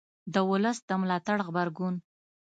د ولس د ملاتړ غبرګون